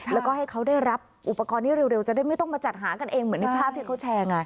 แล้วก็ให้เขาได้รับอุปกรณ์นี้เร็วจะได้ไม่ต้องมาจัดหากันเองเหมือนในภาพที่เขาแชร์ไง